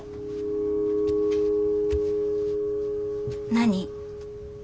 何？